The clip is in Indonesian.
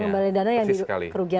pengembalian dana yang dikerugian